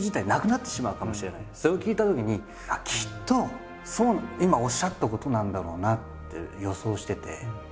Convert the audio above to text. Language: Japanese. それを聞いたときにきっと今おっしゃったことなんだろうなって予想してて。